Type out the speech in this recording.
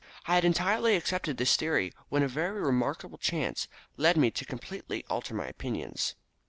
I had entirely accepted this theory, when a very remarkable chance led me to completely alter my opinions.